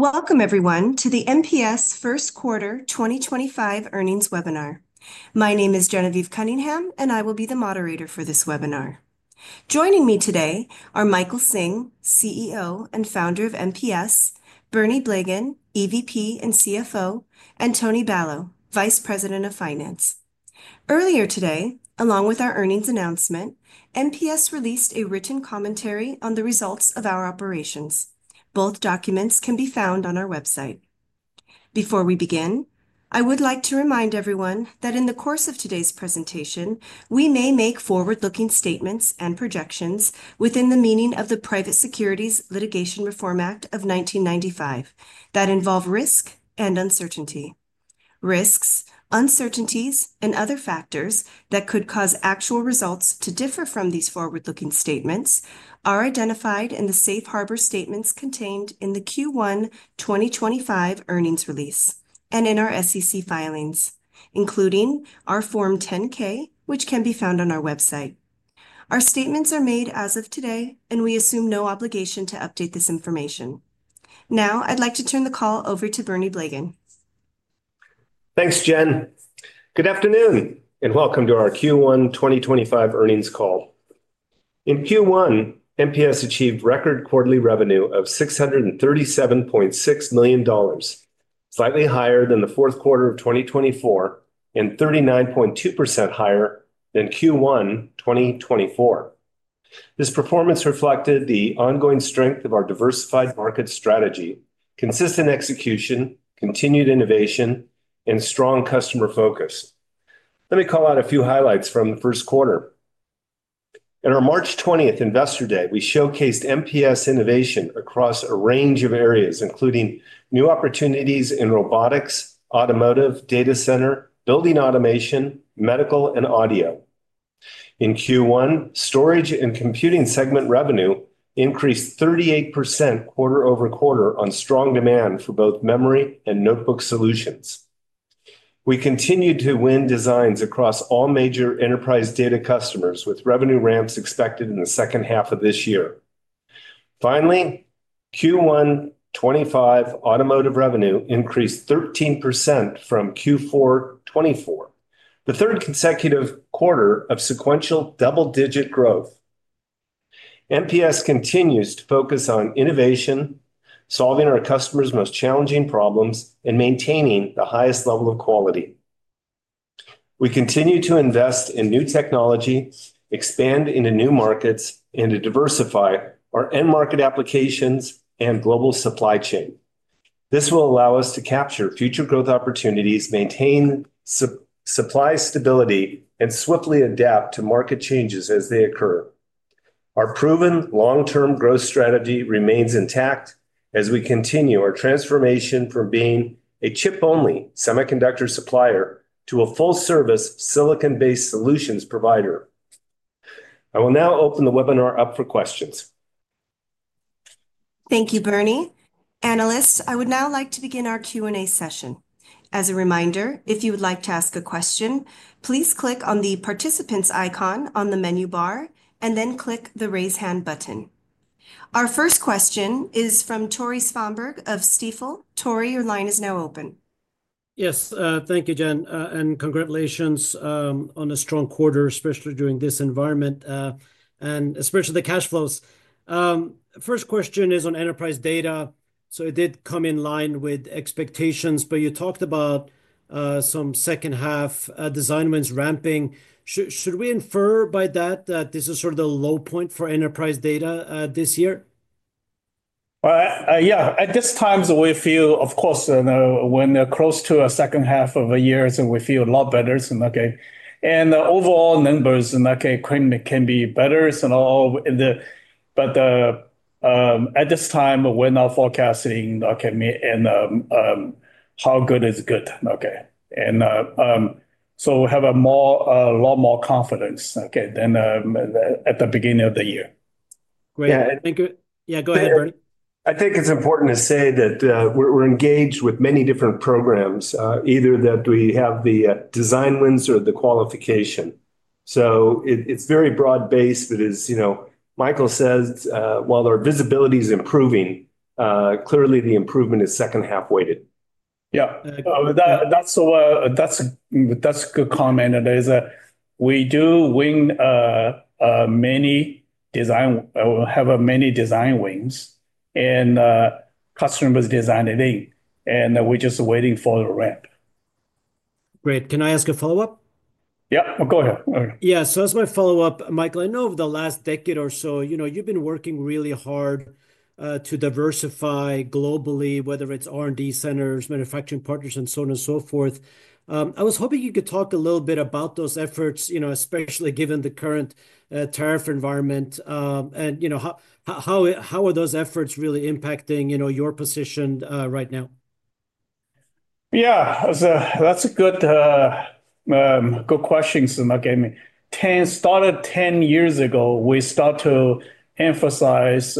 Welcome, everyone, to the MPS First Quarter 2025 Earnings Webinar. My name is Genevieve Cunningham, and I will be the moderator for this webinar. Joining me today are Michael Hsing, CEO and Founder of MPS; Bernie Blegen, EVP and CFO; and Tony Balow, Vice President of Finance. Earlier today, along with our earnings announcement, MPS released a written commentary on the results of our operations. Both documents can be found on our website. Before we begin, I would like to remind everyone that in the course of today's presentation, we may make forward-looking statements and projections within the meaning of the Private Securities Litigation Reform Act of 1995 that involve risk and uncertainty. Risks, uncertainties, and other factors that could cause actual results to differ from these forward-looking statements are identified in the Safe Harbor statements contained in the Q1 2025 earnings release and in our SEC filings, including our Form 10-K, which can be found on our website. Our statements are made as of today, and we assume no obligation to update this information. Now, I'd like to turn the call over to Bernie Blegen. Thanks, Gen. Good afternoon, and welcome to our Q1 2025 earnings call. In Q1, MPS achieved record quarterly revenue of $637.6 million, slightly higher than the fourth quarter of 2024 and 39.2% higher than Q1 2024. This performance reflected the ongoing strength of our diversified market strategy, consistent execution, continued innovation, and strong customer focus. Let me call out a few highlights from the first quarter. On our March 20th Investor Day, we showcased MPS innovation across a range of areas, including new opportunities in robotics, automotive, data center, building automation, medical, and audio. In Q1, storage and computing segment revenue increased 38% quarter over quarter on strong demand for both memory and notebook solutions. We continued to win designs across all major enterprise data customers, with revenue ramps expected in the second half of this year. Finally, Q1 2025 automotive revenue increased 13% from Q4 2024, the third consecutive quarter of sequential double-digit growth. MPS continues to focus on innovation, solving our customers' most challenging problems, and maintaining the highest level of quality. We continue to invest in new technology, expand into new markets, and to diversify our end market applications and global supply chain. This will allow us to capture future growth opportunities, maintain supply stability, and swiftly adapt to market changes as they occur. Our proven long-term growth strategy remains intact as we continue our transformation from being a chip-only semiconductor supplier to a full-service silicon-based solutions provider. I will now open the webinar up for questions. Thank you, Bernie. Analysts, I would now like to begin our Q&A session. As a reminder, if you would like to ask a question, please click on the participants icon on the menu bar and then click the raise hand button. Our first question is from Tore Svanberg of Stifel. Tore, your line is now open. Yes, thank you, Gen, and congratulations on a strong quarter, especially during this environment and especially the cash flows. First question is on enterprise data. It did come in line with expectations, but you talked about some second-half design wins ramping. Should we infer by that that this is sort of the low point for enterprise data this year? At this time, we feel, of course, when we're close to our second half of the year, we feel a lot better. Overall numbers can be better. At this time, we're not forecasting how good is good. We have a lot more confidence than at the beginning of the year. Great. Yeah, go ahead, Bernie. I think it's important to say that we're engaged with many different programs, either that we have the design wins or the qualification. So it's very broad-based. But as Michael says, while our visibility is improving, clearly the improvement is second-half weighted. Yeah. That's a good comment. We do win many design wins and customers design it in, and we're just waiting for the ramp. Great. Can I ask a follow-up? Yeah, go ahead. Yeah, so that's my follow-up. Michael, I know over the last decade or so, you've been working really hard to diversify globally, whether it's R&D centers, manufacturing partners, and so on and so forth. I was hoping you could talk a little bit about those efforts, especially given the current tariff environment, and how are those efforts really impacting your position right now? Yeah, that's a good question. Started 10 years ago, we start to emphasize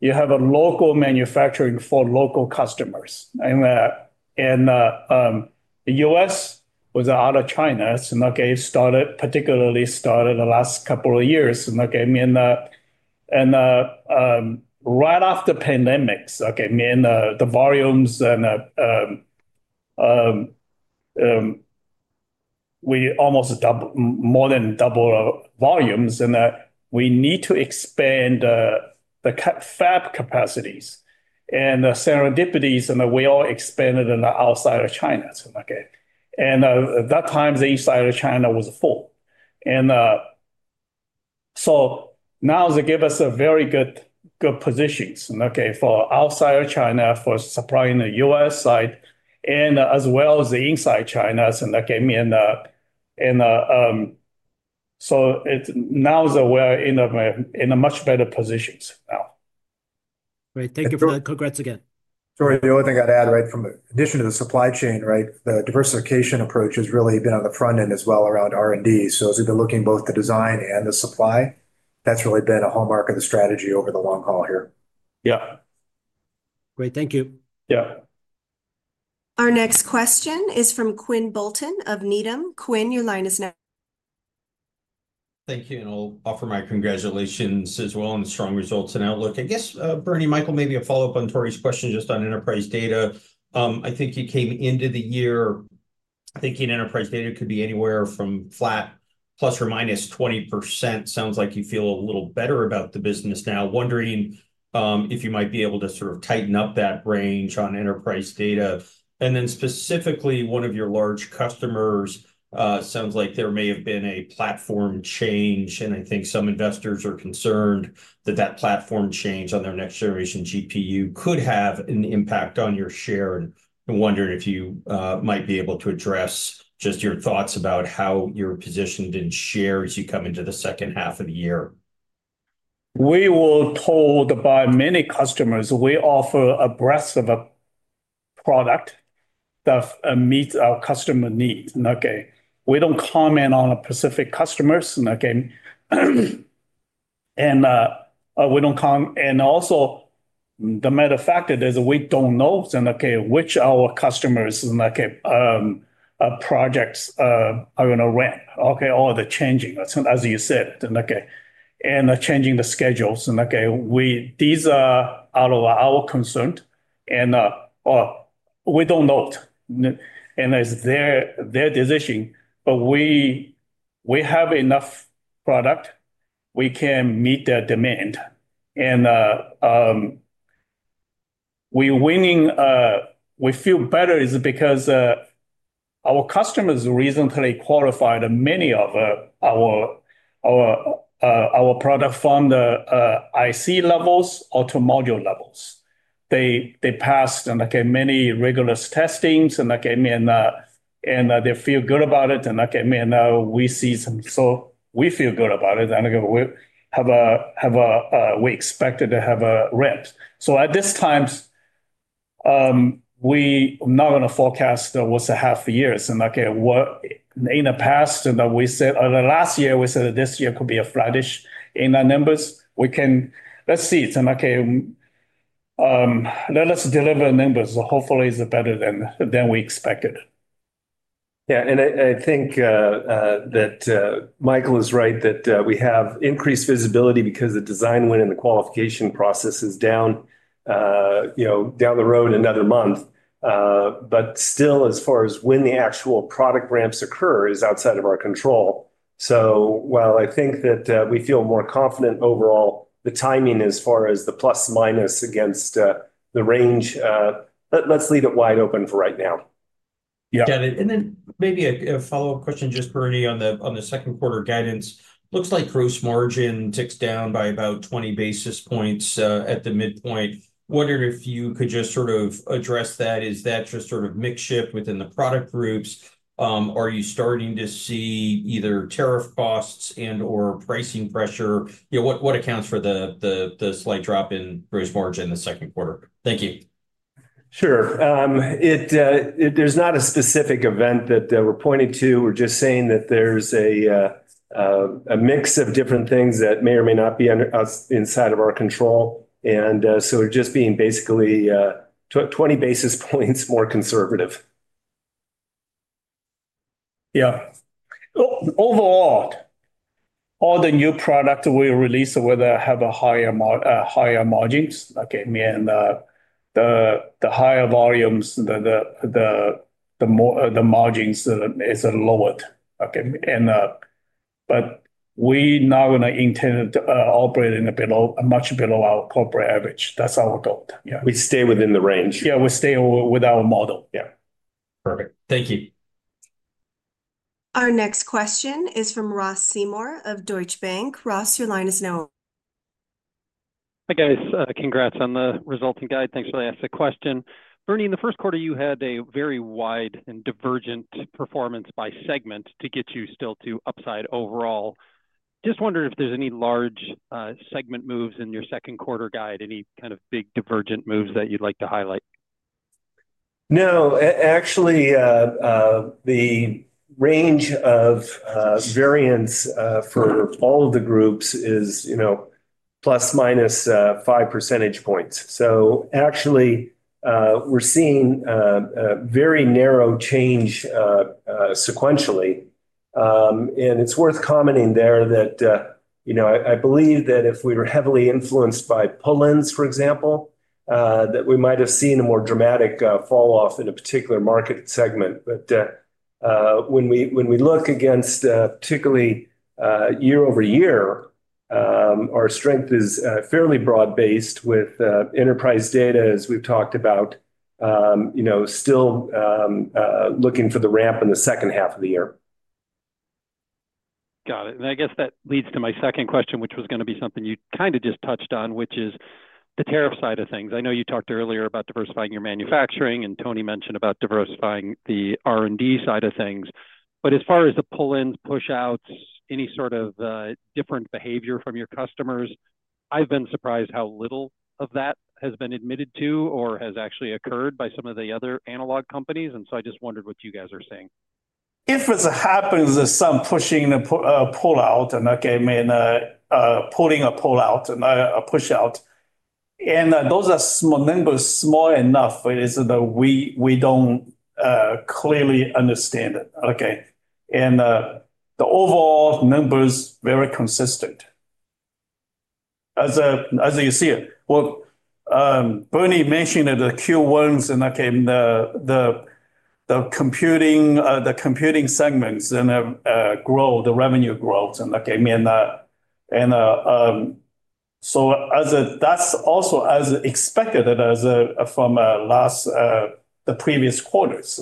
you have a local manufacturing for local customers. The U.S. was out of China. It started, particularly started the last couple of years. Right after pandemics, the volumes, we almost doubled, more than doubled volumes. We need to expand the fab capacities and the serendipities, and we all expanded in the outside of China. At that time, the inside of China was full. Now they give us a very good position for outside of China for supplying the U.S. side, as well as the inside China. Now we're in a much better position now. Great. Thank you for that. Congrats again. Tore, the only thing I'd add, in addition to the supply chain, the diversification approach has really been on the front end as well around R&D. As we've been looking both the design and the supply, that's really been a hallmark of the strategy over the long haul here. Yeah. Great. Thank you. Our next question is from Quinn Bolton of Needham. Quinn, your line is now. Thank you. I'll offer my congratulations as well on the strong results and outlook. I guess, Bernie, Michael, maybe a follow-up on Tore's question just on enterprise data. I think you came into the year thinking enterprise data could be anywhere from flat plus or -20%. Sounds like you feel a little better about the business now. Wondering if you might be able to sort of tighten up that range on enterprise data. Then specifically, one of your large customers, it sounds like there may have been a platform change. I think some investors are concerned that that platform change on their next-generation GPU could have an impact on your share. Wondering if you might be able to address just your thoughts about how you're positioned in shares as you come into the second half of the year. We were told by many customers we offer a breadth of product that meets our customer needs. We don't comment on specific customers. The matter of fact is we don't know which of our customers' projects are going to ramp or are changing, as you said, and changing the schedules. These are out of our concern. We don't know. It's their decision. We have enough product. We can meet their demand. We feel better because our customers recently qualified many of our products from the IC levels to module levels. They passed many rigorous testings, and they feel good about it. We see some, we feel good about it. We expected to have a ramp. At this time, we're not going to forecast what's a half a year. In the past, -- we said last year, we said this year could be a flourish in our numbers. Let's see. Let us deliver numbers. Hopefully, it's better than we expected. Yeah. I think that Michael is right that we have increased visibility because the design win and the qualification process is down the road another month. Still, as far as when the actual product ramps occur, it is outside of our control. While I think that we feel more confident overall, the timing as far as the plus minus against the range, let's leave it wide open for right now. Got it. Maybe a follow-up question just, Bernie, on the second quarter guidance. Looks like gross margin ticks down by about 20 basis points at the midpoint. Wondering if you could just sort of address that. Is that just sort of makeshift within the product groups? Are you starting to see either tariff costs and/or pricing pressure? What accounts for the slight drop in gross margin in the second quarter? Thank you. Sure. There's not a specific event that we're pointing to. We're just saying that there's a mix of different things that may or may not be inside of our control. We are just being basically 20 basis points more conservative. Yeah. Overall, all the new products we release will have higher margins. The higher volumes, the margins are lowered. We are not going to intend to operate much below our corporate average. That's our goal. We stay within the range. Yeah, we stay with our model. Yeah. Perfect. Thank you. Our next question is from Ross Seymore of Deutsche Bank. Ross, your line is now. Hi, guys. Congrats on the resulting guide. Thanks for the question. Bernie, in the first quarter, you had a very wide and divergent performance by segment to get you still to upside overall. Just wondering if there's any large segment moves in your second quarter guide, any kind of big divergent moves that you'd like to highlight. No. Actually, the range of variance for all of the groups is plus minus 5 percentage points. Actually, we're seeing very narrow change sequentially. It's worth commenting there that I believe that if we were heavily influenced by pull-ins, for example, we might have seen a more dramatic falloff in a particular market segment. When we look against particularly year over year, our strength is fairly broad-based with enterprise data, as we've talked about, still looking for the ramp in the second half of the year. Got it. I guess that leads to my second question, which was going to be something you kind of just touched on, which is the tariff side of things. I know you talked earlier about diversifying your manufacturing, and Tony mentioned about diversifying the R&D side of things. As far as the pull-ins, push-outs, any sort of different behavior from your customers, I've been surprised how little of that has been admitted to or has actually occurred by some of the other analog companies. I just wondered what you guys are saying. If it happens there's some pushing and pull-out and pulling a pull-out and a push-out, and those are numbers small enough that we don't clearly understand. The overall number is very consistent. As you see it, Bernie mentioned that the Q1s and the computing segments and the revenue growth. That's also as expected from the previous quarters.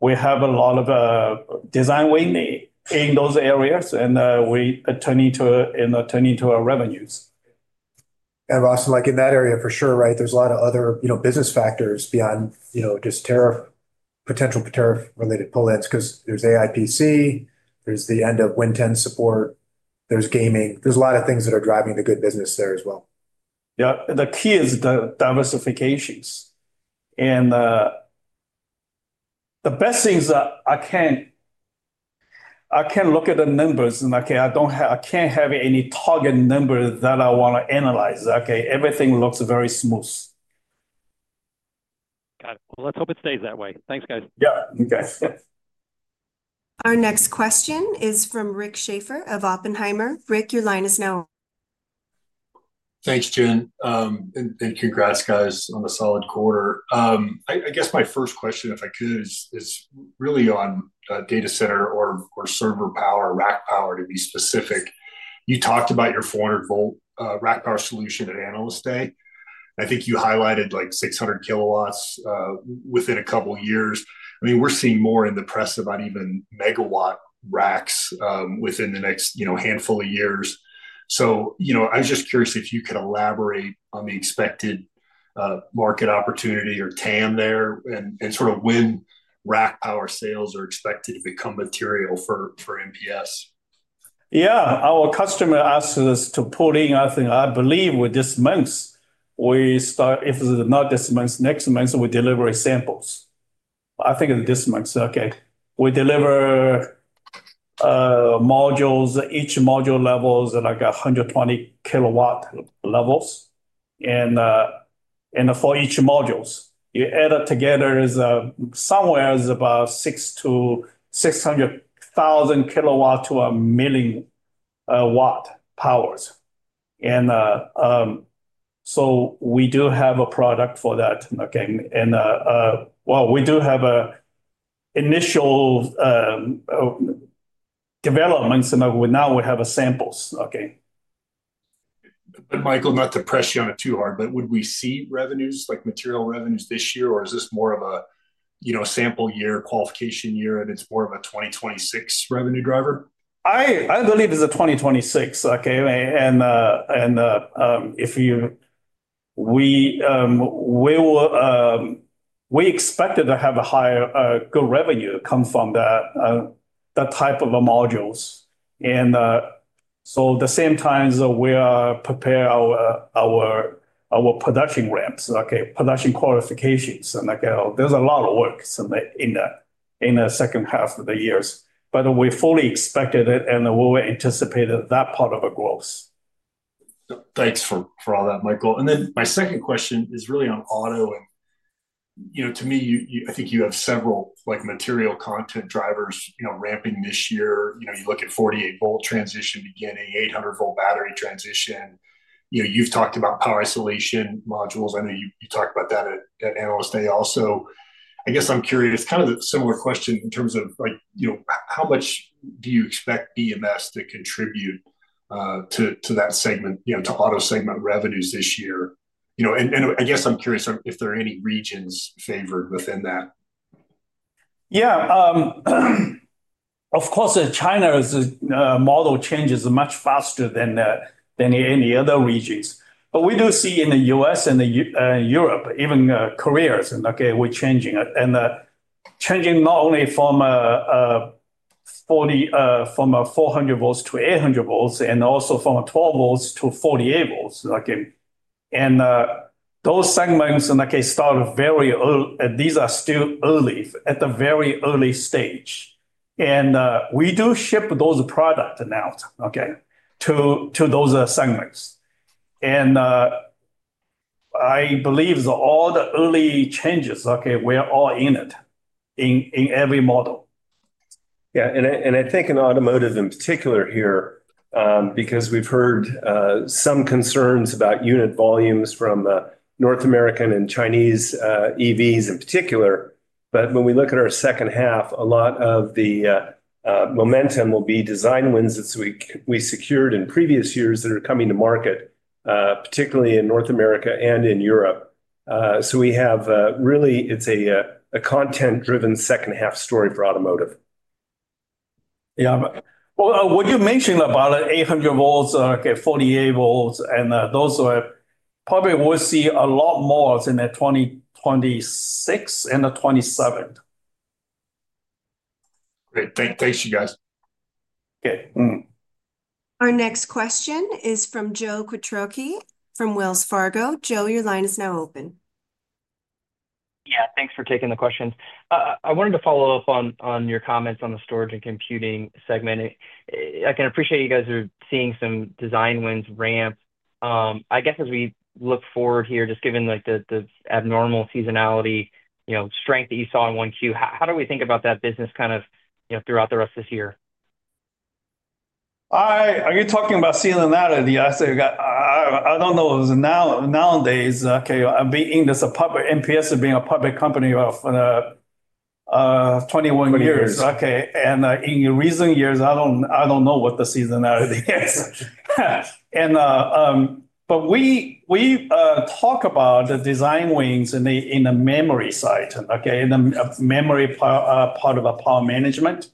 We have a lot of design winning in those areas, and we are turning to our revenues. Ross, in that area, for sure, there's a lot of other business factors beyond just potential tariff-related pull-ins, because there's AI PC, there's the end of Win 10 support, there's gaming. There's a lot of things that are driving the good business there as well. Yeah. The key is the diversifications. The best thing is I can't look at the numbers, and I can't have any target number that I want to analyze. Everything looks very smooth. Got it. Let's hope it stays that way. Thanks, guys. Yeah, you bet. Our next question is from Rick Schafer of Oppenheimer. Rick, your line is now. Thanks, Gen. Congrats, guys, on the solid quarter. I guess my first question, if I could, is really on data center or server power, rack power, to be specific. You talked about your 400-volt rack power solution at Analyst Day. I think you highlighted 600 kW within a couple of years. I mean, we're seeing more in the press about even megawatt racks within the next handful of years. I was just curious if you could elaborate on the expected market opportunity or TAM there and sort of when rack power sales are expected to become material for MPS. Yeah. Our customer asked us to pull-in, I believe, with this month. If it's not this month, next month, we deliver samples. I think it's this month. We deliver modules, each module levels, like 120 kW levels. For each module, you add it together, somewhere is about 6,000 kW to a million watt powers. We do have a product for that. We do have initial developments. Now we have samples. Michael, not to press you on it too hard, but would we see revenues, like material revenues this year, or is this more of a sample year, qualification year, and it's more of a 2026 revenue driver? I believe it's a 2026. We expected to have a higher good revenue come from that type of modules. At the same time, we prepare our production ramps, production qualifications. There's a lot of work in the second half of the years. We fully expected it, and we anticipated that part of a growth. Thanks for all that, Michael. My second question is really on auto. To me, I think you have several material content drivers ramping this year. You look at 48-volt transition beginning, 800-volt battery transition. You've talked about power isolation modules. I know you talked about that at Analyst Day also. I guess I'm curious, kind of a similar question in terms of how much do you expect BMS to contribute to that segment, to auto segment revenues this year? I guess I'm curious if there are any regions favored within that. Yeah. Of course, China's model changes much faster than any other regions. We do see in the U.S. and Europe, even Korea, we're changing. Changing not only from 400 volts to 800 volts, and also from 12 volts to 48 volts. Those segments start very early. These are still early, at the very early stage. We do ship those products now to those segments. I believe all the early changes, we're all in it in every model. Yeah. I think in automotive in particular here, because we've heard some concerns about unit volumes from North American and Chinese EVs in particular. When we look at our second half, a lot of the momentum will be design wins that we secured in previous years that are coming to market, particularly in North America and in Europe. We have really, it's a content-driven second half story for automotive. Yeah. What you mentioned about 800 volts, 48 volts, and those probably we'll see a lot more in the 2026 and the 2027. Great. Thanks, you guys. Our next question is from Joe Quatrochi from Wells Fargo. Joe, your line is now open. Yeah. Thanks for taking the questions. I wanted to follow up on your comments on the storage and computing segment. I can appreciate you guys are seeing some design wins ramp. I guess as we look forward here, just given the abnormal seasonality strength that you saw in 1Q, how do we think about that business kind of throughout the rest of this year? Are you talking about seeing that? I don't know. Nowadays, being in this MPS, being a public company of 21 years. In recent years, I don't know what the seasonality is. We talk about the design wins in the memory side, in the memory part of power management.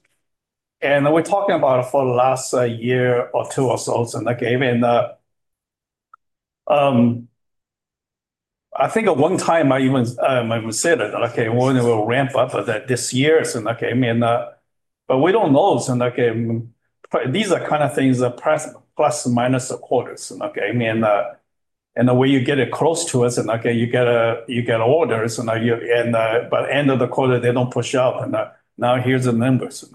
We're talking about it for the last year or two or so. I think at one time I even said it, when it will ramp up this year. We don't know. These are kind of things plus minus a quarter. The way you get it close to us, you get orders. By the end of the quarter, they don't push out. Now here's the numbers.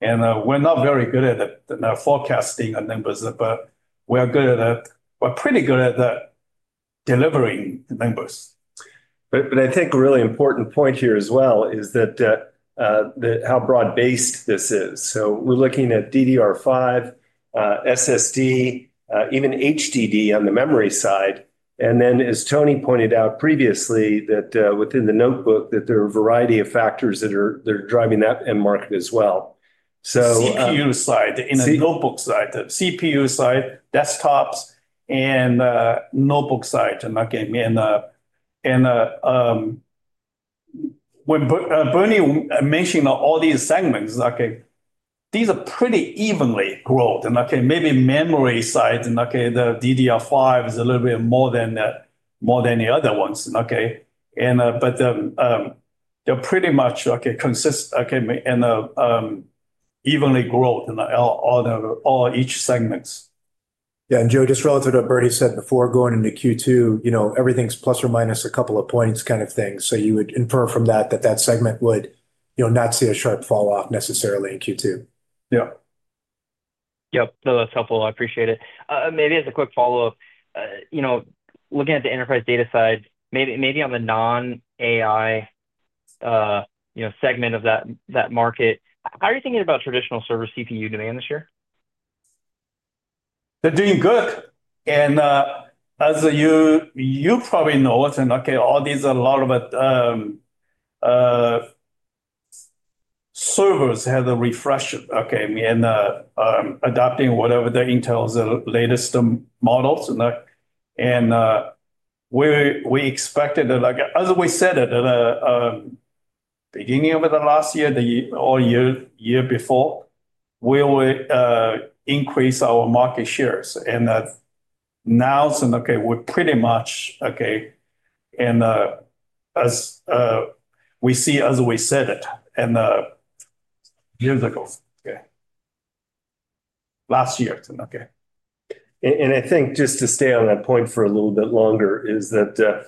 We're not very good at forecasting the numbers, but we're pretty good at delivering numbers. I think a really important point here as well is how broad-based this is. We are looking at DDR5, SSD, even HDD on the memory side. Then, as Tony pointed out previously, within the notebook, there are a variety of factors that are driving that end market as well. CPU side, in the notebook side, CPU side, desktops, and notebook side. When Bernie mentioned all these segments, these are pretty evenly growth. Maybe memory side, the DDR5 is a little bit more than the other ones. They are pretty much consistent and evenly growth in each segments. Yeah. Joe, just relative to what Bernie said before, going into Q2, everything's plus or minus a couple of points kind of thing. You would infer from that that that segment would not see a sharp falloff necessarily in Q2. Yeah. Yep. No, that's helpful. I appreciate it. Maybe as a quick follow-up, looking at the enterprise data side, maybe on the non-AI segment of that market, how are you thinking about traditional server CPU demand this year? They're doing good. As you probably know, all these, a lot of servers had a refresh and adopting whatever the Intel's latest models. We expected that, as we said at the beginning of the last year, or year before, we will increase our market shares. Now we're pretty much in as we see, as we said it, years ago, last year. I think just to stay on that point for a little bit longer is that,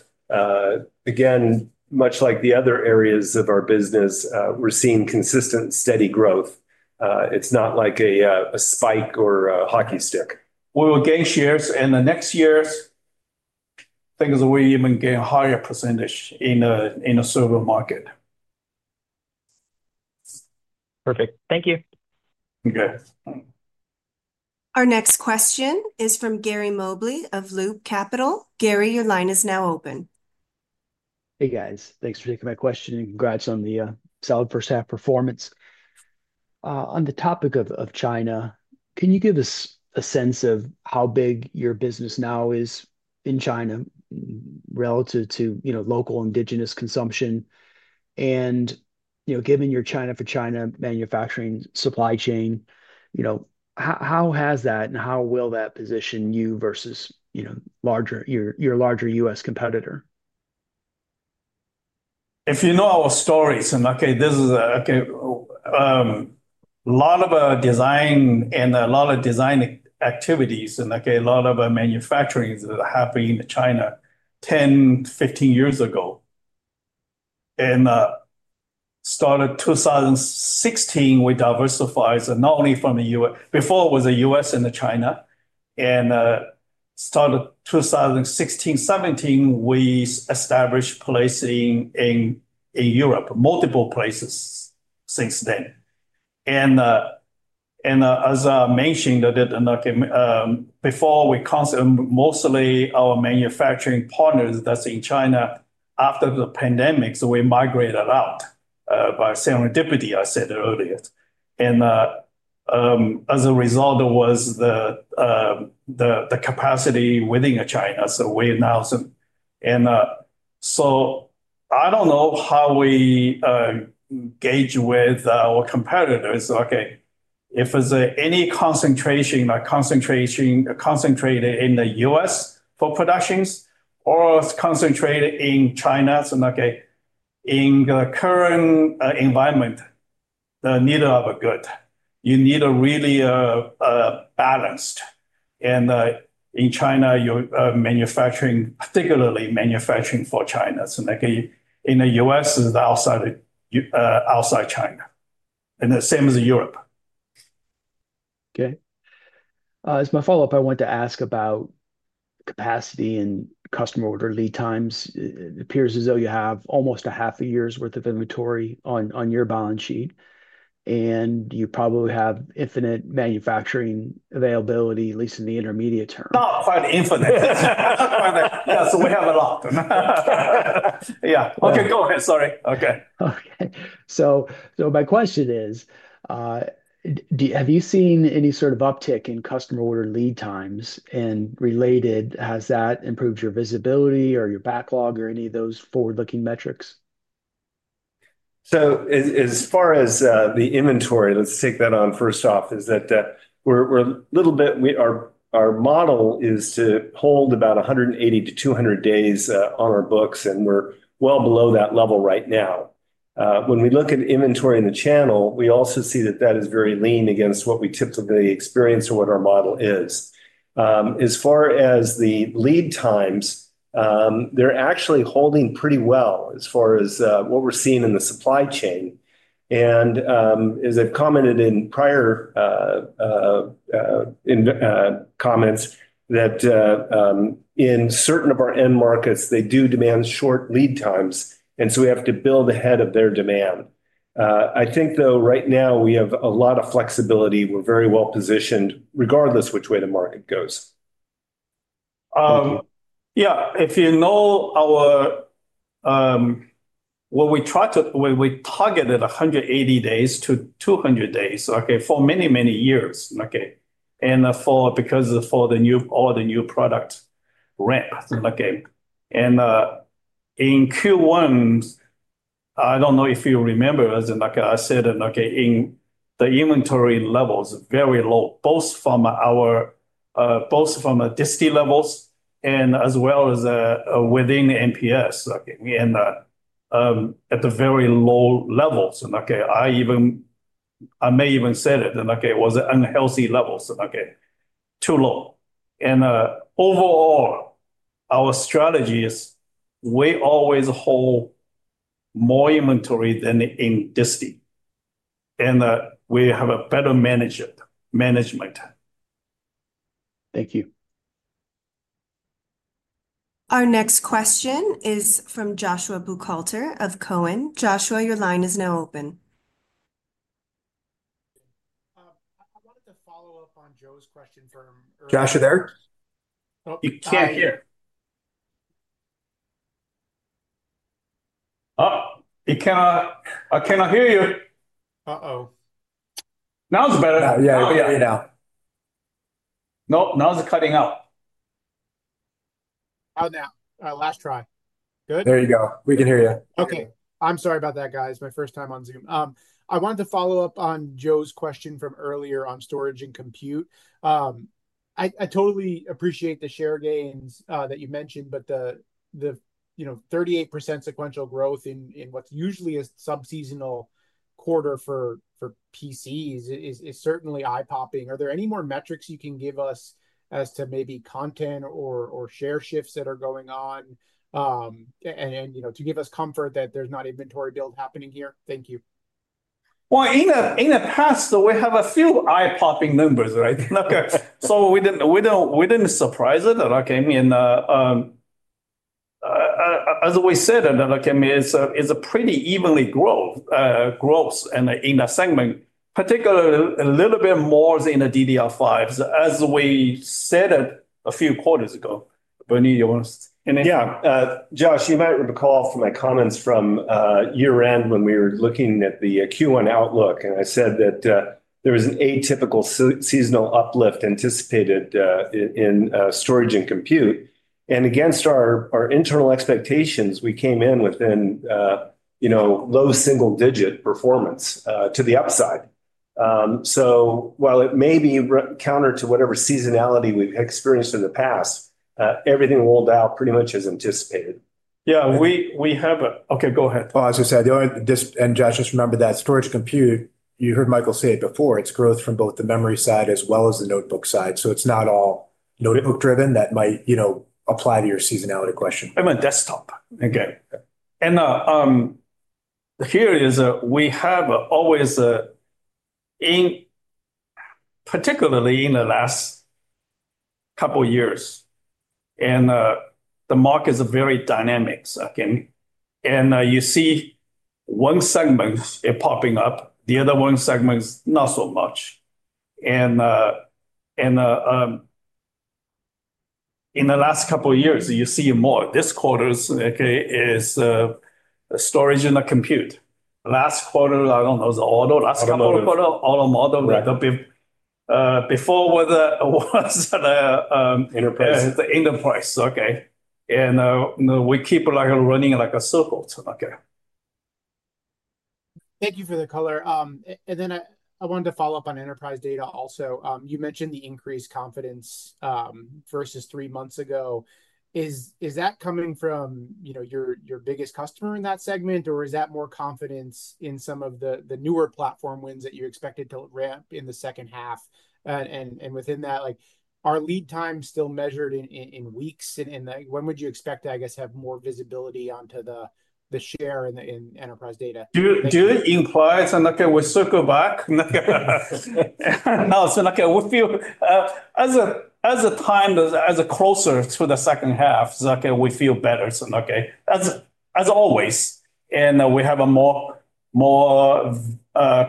again, much like the other areas of our business, we're seeing consistent, steady growth. It's not like a spike or a hockey stick. We will gain shares. In the next years, I think we're even getting a higher percentage in the server market. Perfect. Thank you. Okay. Our next question is from Gary Mobley of Loop Capital. Gary, your line is now open. Hey, guys. Thanks for taking my question. Congrats on the solid first half performance. On the topic of China, can you give us a sense of how big your business now is in China relative to local indigenous consumption? Given your China for China manufacturing supply chain, how has that and how will that position you versus your larger U.S. competitor? If you know our stories, a lot of design and a lot of design activities and a lot of manufacturing that happened in China 10, 15 years ago. Started 2016, we diversified not only from the U.S. before it was the U.S. and China. Started 2016, 2017, we established placing in Europe, multiple places since then. As I mentioned before, mostly our manufacturing partners that's in China, after the pandemic, we migrated out by serendipity, I said earlier. As a result, there was the capacity within China. We announced. I don't know how we engage with our competitors. If there's any concentration concentrated in the U.S. for productions or concentrated in China, in the current environment, the needle of a good. You need a really balanced. In China, particularly manufacturing for China. In the U.S., it's outside China. The same as Europe. Okay. As my follow-up, I want to ask about capacity and customer order lead times. It appears as though you have almost half a year's worth of inventory on your balance sheet. You probably have infinite manufacturing availability, at least in the intermediate term. Not quite infinite. Yeah. We have a lot. Yeah. Okay. Go ahead. Sorry. Okay. My question is, have you seen any sort of uptick in customer order lead times? Related, has that improved your visibility or your backlog or any of those forward-looking metrics? As far as the inventory, let's take that on first off, our model is to hold about 180 to 200 days on our books. We're well below that level right now. When we look at inventory in the channel, we also see that is very lean against what we typically experience or what our model is. As far as the lead times, they're actually holding pretty well as far as what we're seeing in the supply chain. As I've commented in prior comments, in certain of our end markets, they do demand short lead times. We have to build ahead of their demand. I think, though, right now, we have a lot of flexibility. We're very well positioned regardless which way the market goes. Yeah. If you know what, we try to, we targeted 180 days to 200 days for many, many years. Because of all the new product ramp. In Q1, I don't know if you remember, as I said, the inventory level is very low, both from our, both from the disti levels and as well as within MPS and at the very low levels. I may even say that it was an unhealthy level, too low. Overall, our strategy is we always hold more inventory than in disti. We have a better management. Thank you. Our next question is from Joshua Buchalter of Cowen. Joshua, your line is now open. I wanted to follow up on Joe's question from. Joshua, there? You can't hear. I cannot hear you. Uh-oh. Now it's better. Yeah. Nope. Now it's cutting out. Oh, now. Last try. Good. There you go. We can hear you. Okay. I'm sorry about that, guys. My first time on Zoom. I wanted to follow up on Joe's question from earlier on storage and compute. I totally appreciate the share gains that you mentioned, but the 38% sequential growth in what usually is a subseasonal quarter for PCs is certainly eye-popping. Are there any more metrics you can give us as to maybe content or share shifts that are going on and to give us comfort that there's not inventory build happening here? Thank you. In the past, we have a few eye-popping numbers. We did not surprise it. As we said, it is a pretty evenly growth in the segment, particularly a little bit more in the DDR5s, as we said a few quarters ago. Yeah. Josh, you might recall from my comments from year-end when we were looking at the Q1 outlook. I said that there was an atypical seasonal uplift anticipated in storage and compute. Against our internal expectations, we came in within low single-digit performance to the upside. While it may be counter to whatever seasonality we've experienced in the past, everything rolled out pretty much as anticipated. Yeah. We have a okay, go ahead. As you said, Josh, just remember that storage compute, you heard Michael say it before, it's growth from both the memory side as well as the notebook side. It's not all notebook-driven. That might apply to your seasonality question. On desktop, we have always, particularly in the last couple of years, and the market is very dynamic. You see one segment popping up, the other one segment not so much. In the last couple of years, you see more. This quarter is storage and the compute. Last quarter, I don't know, it's auto. Last quarter, auto model. Before was the-- Enterprise. Enterprise. We keep running like a circle. Thank you for the color. I wanted to follow up on enterprise data also. You mentioned the increased confidence versus three months ago. Is that coming from your biggest customer in that segment, or is that more confidence in some of the newer platform wins that you expected to ramp in the second half? Within that, are lead times still measured in weeks? When would you expect, I guess, to have more visibility onto the share in enterprise data? Do it in quarters. We circle back. No, we feel as the time as a closer to the second half, we feel better. As always. And we have a more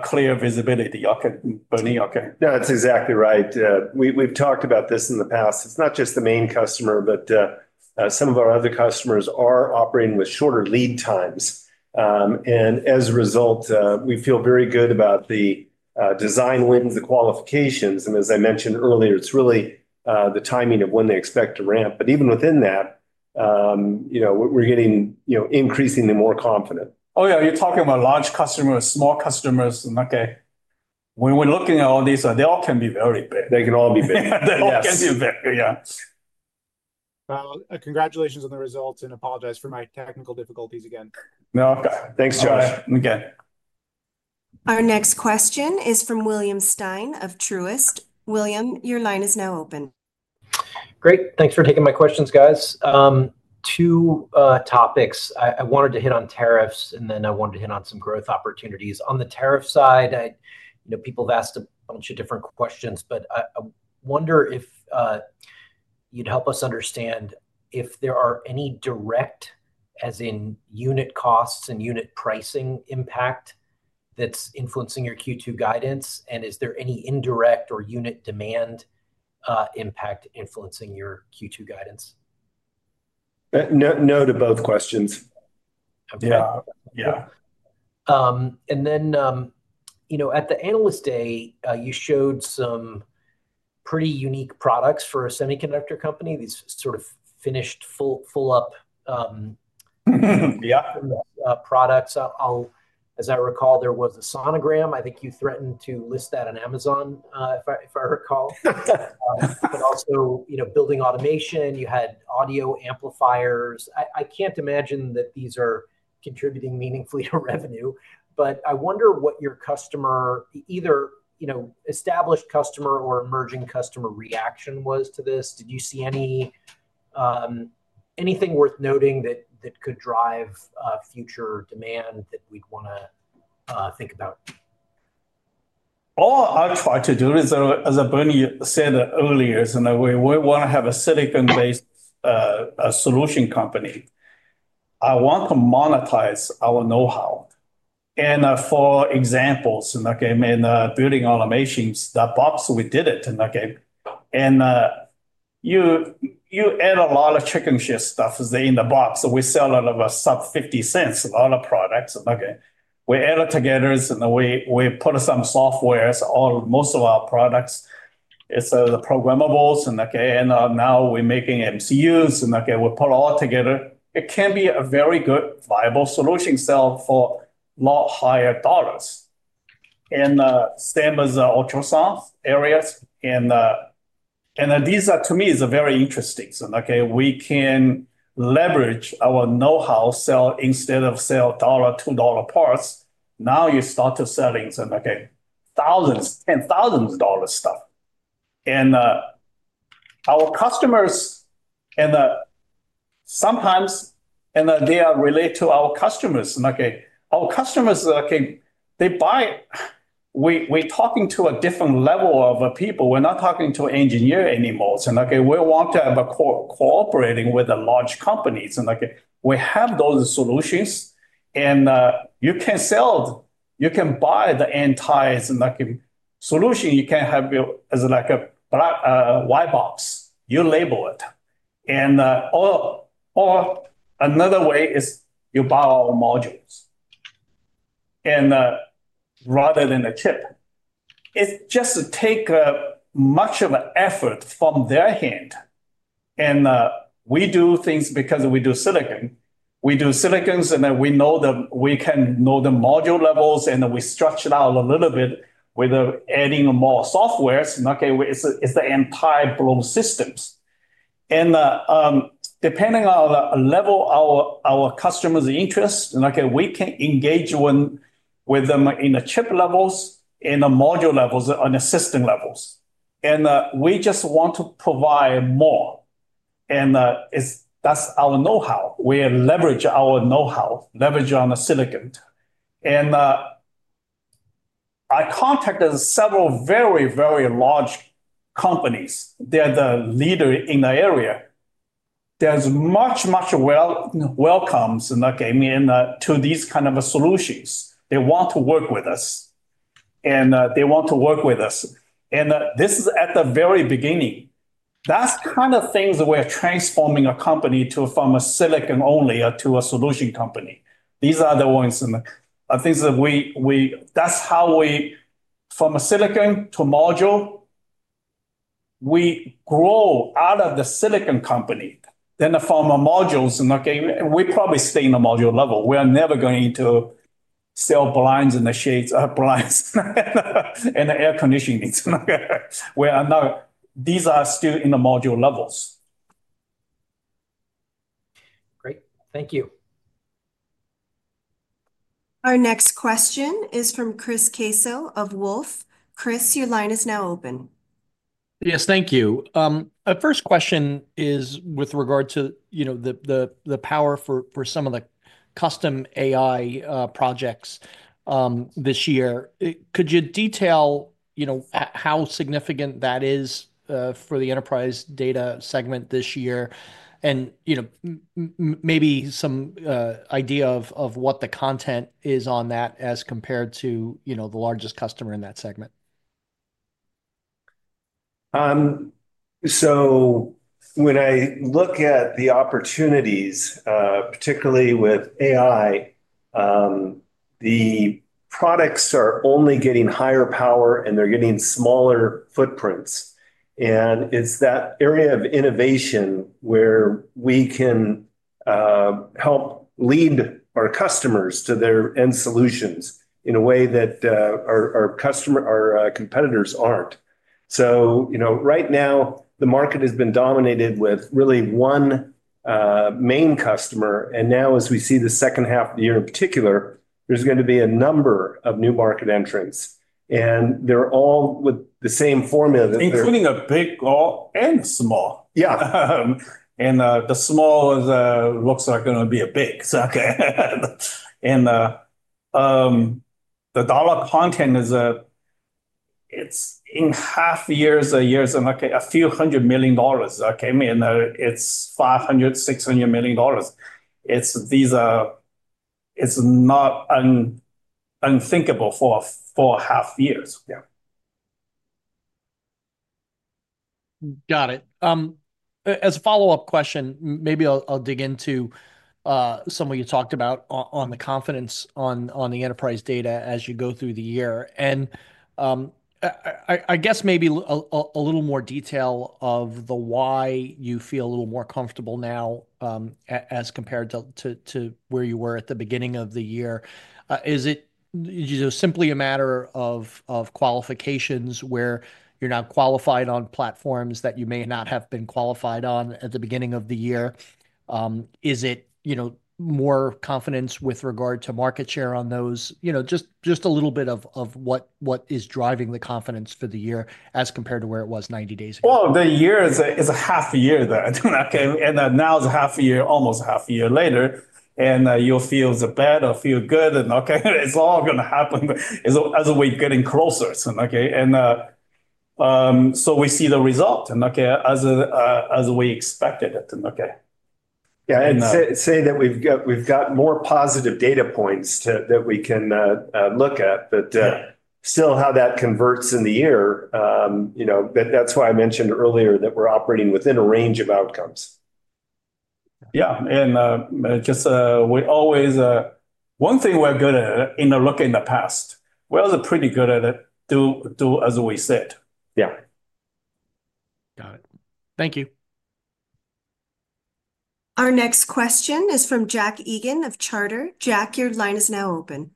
clear visibility. Yeah, that's exactly right. We've talked about this in the past. It's not just the main customer, but some of our other customers are operating with shorter lead times. As a result, we feel very good about the design wins, the qualifications. As I mentioned earlier, it's really the timing of when they expect to ramp. Even within that, we're getting increasingly more confident. Oh, yeah. You're talking about large customers, small customers. When we're looking at all these, they all can be very big. They can all be big. They all can be big. Yeah. Congratulations on the results. I apologize for my technical difficulties again. No, thanks, Josh. Our next question is from William Stein of Truist. William, your line is now open. Great. Thanks for taking my questions, guys. Two topics. I wanted to hit on tariffs, and then I wanted to hit on some growth opportunities. On the tariff side, people have asked a bunch of different questions, but I wonder if you'd help us understand if there are any direct, as in unit costs and unit pricing impact that's influencing your Q2 guidance, and is there any indirect or unit demand impact influencing your Q2 guidance? No to both questions. Yes. Okay. At the Analyst Day, you showed some pretty unique products for a semiconductor company, these sort of finished full-up products. As I recall, there was a sonogram. I think you threatened to list that on Amazon, if I recall. Also, building automation, you had audio amplifiers. I can't imagine that these are contributing meaningfully to revenue. I wonder what your customer, either established customer or emerging customer reaction was to this. Did you see anything worth noting that could drive future demand that we'd want to think about? All I try to do is, as Bernie said earlier, we want to have a silicon-based solution company. I want to monetize our know-how. For examples, building automations, the box we did it. You add a lot of chicken shit stuff in the box. We sell a lot of sub-$0.50, a lot of products. We add it together, and we put some software, most of our products. It's the programmables. Now we're making MCUs. We put it all together. It can be a very good viable solution sell for a lot higher dollars. Same as ultrasound areas. These to me is very interesting. We can leverage our know-how sell instead of sell dollar--$2 parts. Now you start to sell thousands, ten thousand dollars stuff. Our customers, sometimes they are related to our customers. Our customers, they buy, we're talking to a different level of people. We're not talking to engineers anymore. We want to have cooperating with large companies. We have those solutions. You can sell, you can buy the entire solution. You can have it as a white box. You label it. Another way is you buy our modules rather than a chip. It just takes much of an effort from their hand. We do things because we do silicon. We do silicons, and we know that we can know the module levels. We stretch it out a little bit with adding more software. It's the entire blown systems. Depending on the level of our customer's interest, we can engage with them in the chip levels, in the module levels, on the system levels. We just want to provide more. That's our know-how. We leverage our know-how, leverage on the silicon. I contacted several very, very large companies. They're the leader in the area. There's much, much welcomes to these kind of solutions. They want to work with us. They want to work with us. This is at the very beginning. That's kind of things we're transforming a company from a silicon only to a solution company. These are the ones. I think that's how we from a silicon to module, we grow out of the silicon company. From a module, we probably stay in the module level. We are never going to sell blinds in the shades and air conditioning. These are still in the module levels. Great. Thank you. Our next question is from Chris Caso of Wolfe. Chris, your line is now open. Yes, thank you. Our first question is with regard to the power for some of the custom AI projects this year. Could you detail how significant that is for the enterprise data segment this year? Maybe some idea of what the content is on that as compared to the largest customer in that segment. When I look at the opportunities, particularly with AI, the products are only getting higher power, and they're getting smaller footprints. It is that area of innovation where we can help lead our customers to their end solutions in a way that our competitors aren't. Right now, the market has been dominated with really one main customer. Now, as we see the second half of the year in particular, there is going to be a number of new market entrants. They are all with the same formula. Including a big and small. Yeah. The small looks like going to be a big. The dollar content is in half years, a year, a few hundred million dollars. It's $500 million-$600 million. It's not unthinkable for half years. Got it. As a follow-up question, maybe I'll dig into some of what you talked about on the confidence on the enterprise data as you go through the year. I guess maybe a little more detail of the why you feel a little more comfortable now as compared to where you were at the beginning of the year. Is it simply a matter of qualifications where you're now qualified on platforms that you may not have been qualified on at the beginning of the year? Is it more confidence with regard to market share on those? Just a little bit of what is driving the confidence for the year as compared to where it was 90 days ago? The year is a half a year there. Now it's a half a year, almost a half a year later. You'll feel the bad or feel good. It's all going to happen as we're getting closer. We see the result as we expected it. Yeah. I say that we've got more positive data points that we can look at. Still, how that converts in the year, that's why I mentioned earlier that we're operating within a range of outcomes. Yeah. We always, one thing we're good at in the past, we're also pretty good at it, as we said. Yeah. Got it. Thank you. Our next question is from Jack Egan of Charter. Jack, your line is now open.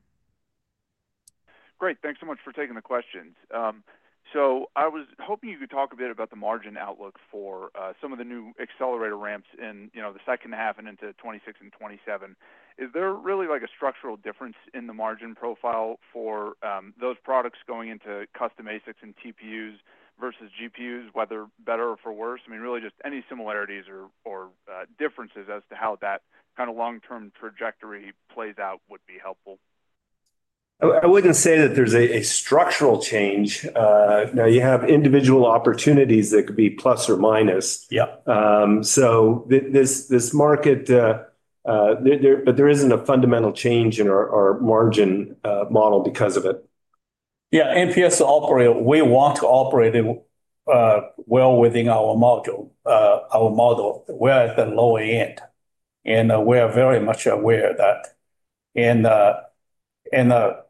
Great. Thanks so much for taking the questions. I was hoping you could talk a bit about the margin outlook for some of the new accelerator ramps in the second half and into 2026 and 2027. Is there really a structural difference in the margin profile for those products going into custom ASICs and TPUs versus GPUs, whether better or for worse? I mean, really just any similarities or differences as to how that kind of long-term trajectory plays out would be helpful. I wouldn't say that there's a structural change. Now, you have individual opportunities that could be plus or minus. This market, but there isn't a fundamental change in our margin model because of it. Yeah. MPS operate, we want to operate well within our model. Our model, we're at the lower end. We are very much aware of that. What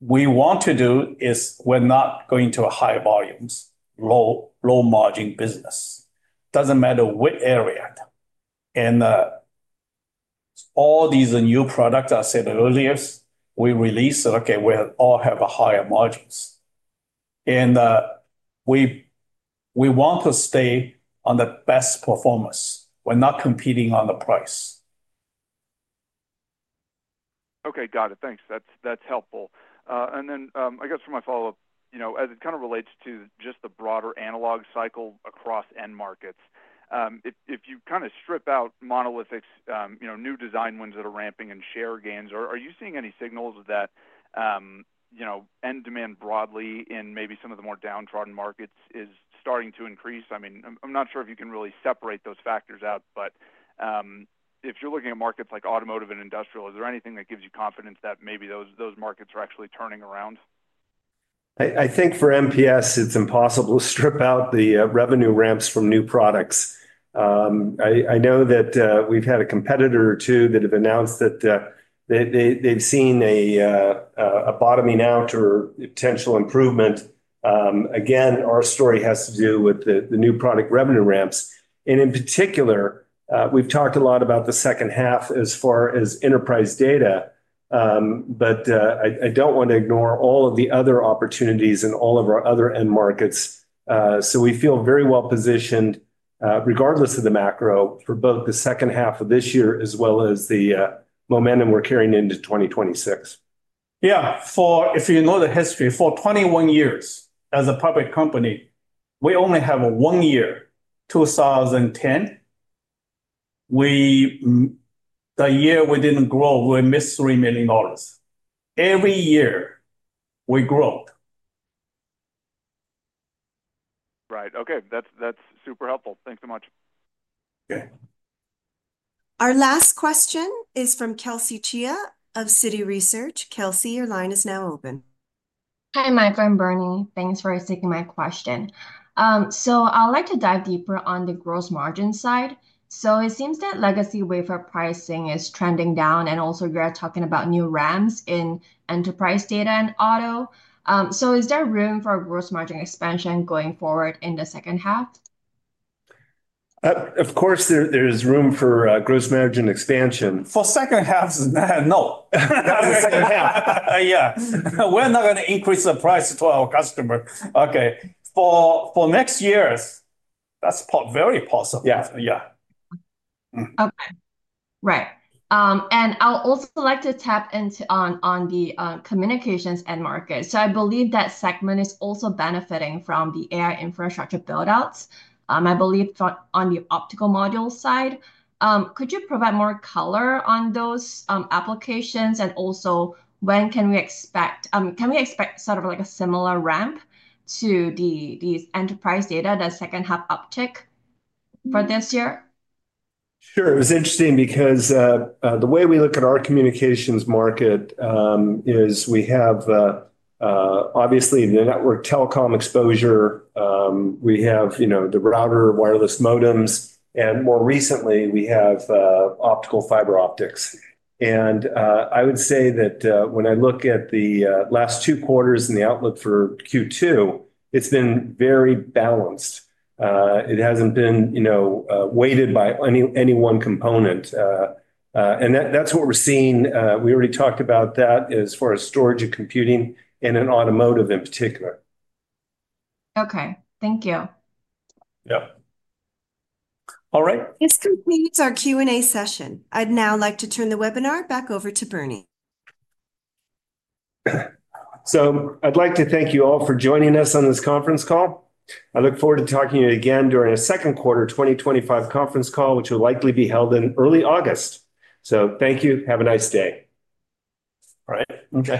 we want to do is we're not going to high volumes, low margin business. Doesn't matter what area. All these new products, I said earlier, we release so we all have higher margins. We want to stay on the best performance. We're not competing on the price. Okay. Got it. Thanks. That's helpful. I guess for my follow-up, as it kind of relates to just the broader analog cycle across end markets, if you kind of strip out Monolithic's new design wins that are ramping and share gains, are you seeing any signals that end demand broadly in maybe some of the more downtrodden markets is starting to increase? I mean, I'm not sure if you can really separate those factors out, but if you're looking at markets like automotive and industrial, is there anything that gives you confidence that maybe those markets are actually turning around? I think for MPS, it's impossible to strip out the revenue ramps from new products. I know that we've had a competitor or two that have announced that they've seen a bottoming out or potential improvement. Again, our story has to do with the new product revenue ramps. In particular, we've talked a lot about the second half as far as enterprise data. I don't want to ignore all of the other opportunities in all of our other end markets. We feel very well positioned regardless of the macro for both the second half of this year as well as the momentum we're carrying into 2026. Yeah. If you know the history, for 21 years as a public company, we only have one year, 2010. The year we did not grow, we missed $3 million. Every year we grew. Right. Okay. That's super helpful. Thanks so much. Okay. Our last question is from Kelsey Chia of Citi Research. Kelsey, your line is now open. Hi, Michael and Bernie. Thanks for taking my question. I'd like to dive deeper on the gross margin side. It seems that legacy wafer pricing is trending down. Also, you're talking about new ramps in enterprise data and auto. Is there room for gross margin expansion going forward in the second half? Of course, there is room for gross margin expansion. For second half, no. That's the second half. Yeah. We're not going to increase the price to our customer. Okay. For next year, that's very possible. Yeah. Right. I also like to tap into on the communications end market. I believe that segment is also benefiting from the AI infrastructure buildouts. I believe on the optical module side, could you provide more color on those applications? Also, when can we expect, can we expect sort of a similar ramp to these enterprise data, the second half uptick for this year? Sure. It was interesting because the way we look at our communications market is we have obviously the network telecom exposure. We have the router, wireless modems. More recently, we have optical fiber optics. I would say that when I look at the last two quarters and the outlook for Q2, it has been very balanced. It has not been weighted by any one component. That is what we are seeing. We already talked about that as far as storage and computing and in automotive in particular. Okay. Thank you. Yeah. All right. This concludes our Q&A session. I'd now like to turn the webinar back over to Bernie. I would like to thank you all for joining us on this conference call. I look forward to talking to you again during a second quarter 2025 conference call, which will likely be held in early August. Thank you. Have a nice day. All right. Okay.